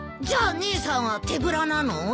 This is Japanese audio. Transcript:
じゃあ姉さんは手ぶらなの？